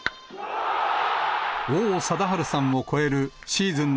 王貞治さんを超えるシーズン